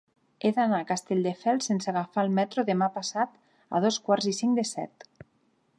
He d'anar a Castelldefels sense agafar el metro demà passat a dos quarts i cinc de set.